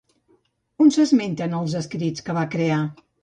On s'esmenten els escrits que va crear?